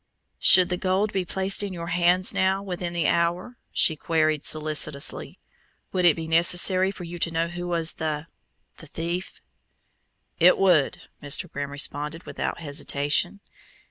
"Should the gold be placed in your hands now, within the hour," she queried solicitously, "would it be necessary for you to know who was the the thief?" "It would," Mr. Grimm responded without hesitation.